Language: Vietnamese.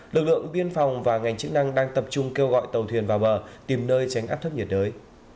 lực lượng biên phòng và ngành chức năng đang tập trung kêu gọi tàu thuyền vào bờ tìm nơi tránh áp thấp nhiệt đới